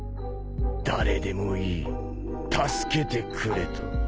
誰でもいい助けてくれと。